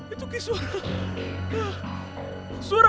itu kek suara